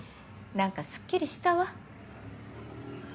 何かすっきりしたわ。